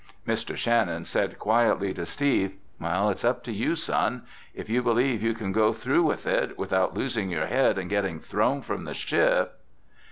Mr. Shannon said quietly to Steve, "It's up to you, son. If you believe you can go through with it without losing your head and getting thrown from the ship...."